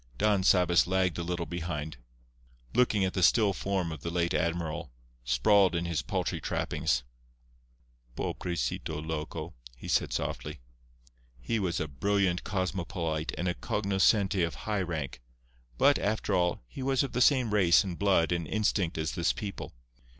Don Sabas lagged a little behind, looking at the still form of the late admiral, sprawled in his paltry trappings. "Pobrecito loco," he said softly. He was a brilliant cosmopolite and a cognoscente of high rank; but, after all, he was of the same race and blood and instinct as this people.